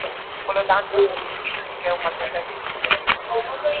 Polo tanto, iso si que é un mal facer.